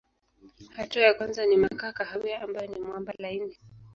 Hatua ya kwanza ni makaa kahawia ambayo ni mwamba laini.